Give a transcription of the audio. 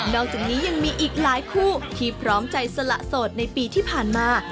อกจากนี้ยังมีอีกหลายคู่ที่พร้อมใจสละโสดในปีที่ผ่านมา